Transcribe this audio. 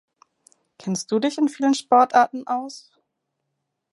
Kennst du dich in vielen Sportarten aus?